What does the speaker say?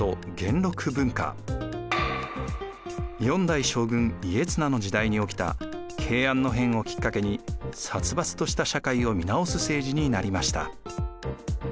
４代将軍・家綱の時代に起きた慶安の変をきっかけに殺伐とした社会を見直す政治になりました。